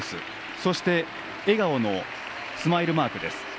そして笑顔のスマイルマークです。